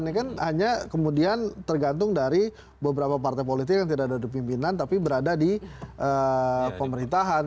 ini kan hanya kemudian tergantung dari beberapa partai politik yang tidak ada di pimpinan tapi berada di pemerintahan